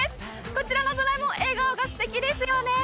こちらのドラえもん笑顔が素敵ですよね。